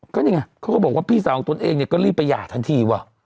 ก็นี่ไงเขาก็บอกว่าพี่สาวของตนเองเนี่ยก็รีบไปหย่าทันทีว่ะ